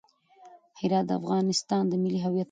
هرات د افغانستان د ملي هویت نښه ده.